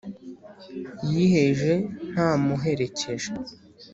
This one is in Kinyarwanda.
Yiheje ntamuherekeje